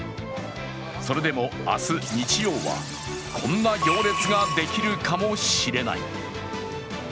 それでも明日、日曜はこんな行列ができるかもしれない。